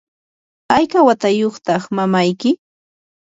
¿hayka watayuqta mamayki?